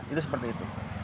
itu seperti itu